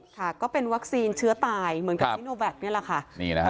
ค่ะก็เป็นวัคซีนเชื้อตายเหมือนกับนี่แหละค่ะนี่แหละค่ะ